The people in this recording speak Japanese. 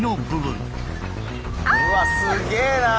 うわすげえな。